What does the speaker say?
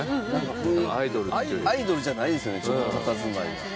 アイドルじゃないですよねたたずまいが。